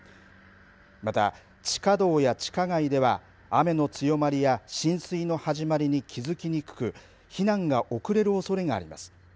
また、地下道や地下街では雨の強まりや浸水の始まりに気付きにくく避難が遅れるおそれがあります。